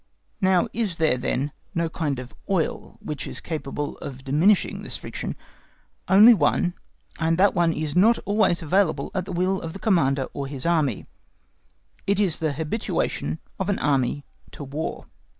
Now is there, then, no kind of oil which is capable of diminishing this friction? Only one, and that one is not always available at the will of the Commander or his Army. It is the habituation of an Army to War.